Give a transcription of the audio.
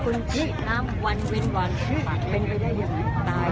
โอ้โหเรามาเป็นคนที่ทำวันเว้นวันเป็นไปได้ยังไงตาย